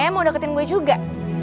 mau deketin gue juga